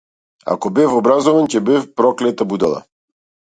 Ако бев образован, ќе бев проклета будала.